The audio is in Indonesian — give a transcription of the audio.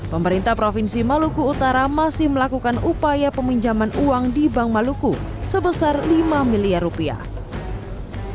pemerintah provinsi maluku utara masih melakukan upaya peminjaman uang di bank maluku sebesar lima miliar rupiah